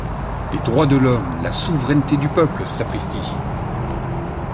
Les droits de l'Homme, la souveraineté du peuple, sapristi!